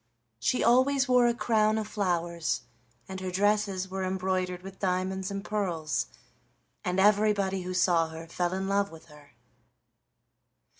She always wore a crown of flowers, and her dresses were embroidered with diamonds and pearls, and everybody who saw her fell in love with her.